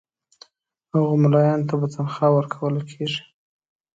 هغو مُلایانو ته به تنخوا ورکوله کیږي.